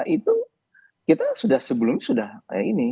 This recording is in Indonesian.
itu kita sudah sebelumnya sudah ini